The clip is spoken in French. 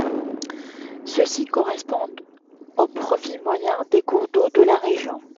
Ceci correspond au profil moyen des cours d'eau de la région.